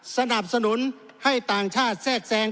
สนับสนุนให้ต่างชาติแทรกแทรง